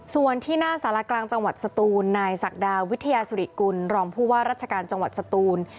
ส่วนที่หน้าสารกลางจังหวัดสตูนนายศักดาวิทยาสุริกุลรองผู้ว่าราชการจังหวัดสตูน